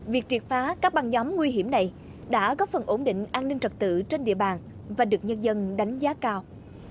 việc triệt phá các băng nhóm nguy hiểm này đã góp phần ổn định an ninh trật tự trên địa bàn và được nhân dân đánh giá cao